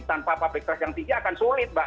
tanpa public trust yang tinggi akan sulit mbak